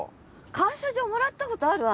感謝状もらったことある？